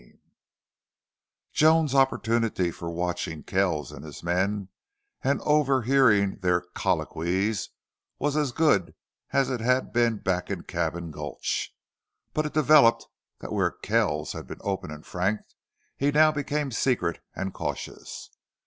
14 Joan's opportunity for watching Kells and his men and overhearing their colloquies was as good as it had been back in Cabin Gulch. But it developed that where Kells had been open and frank he now became secret and cautious.